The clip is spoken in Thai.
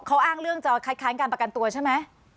เขาอ้างเรื่องจะคัดค้านการประกันตัวใช่ไหม